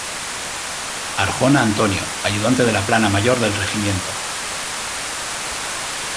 Arjona, Antonio, Ayudante de la Plana Mayor del Regimiento.